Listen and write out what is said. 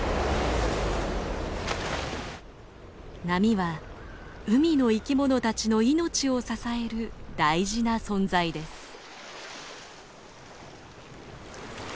波は海の生き物たちの命を支える大事な存在です。